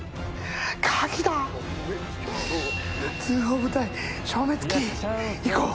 通報部隊消滅キー、行こう。